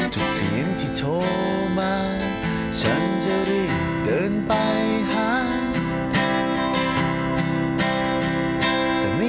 ทุกเสียงที่โทรมาฉันใจเกินไปหา